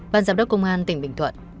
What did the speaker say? bàn giám đốc công an tỉnh bình thuận